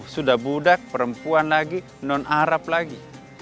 sudah budak perempuan lagi non arab lagi